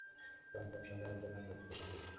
প্রাণপণ সংগ্রামের জন্য আমরা কৃতসঙ্কল্প।